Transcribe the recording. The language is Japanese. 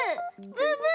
ブーブー！